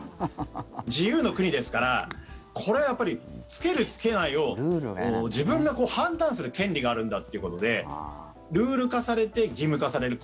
自由の国ですからこれは着ける、着けないを自分が判断する権利があるんだということでルール化されて義務化される。